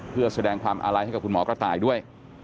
เพื่อแสดงความอาลัยให้กับคุณหมอกระต่ายด้วย